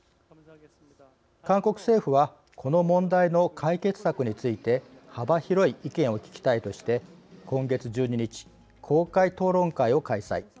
韓国政府は、この問題の解決策について幅広い意見を聞きたいとして今月１２日、公開討論会を開催。